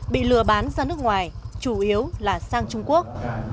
bị lừa bán ra nước ngoài chủ yếu là sang trung quốc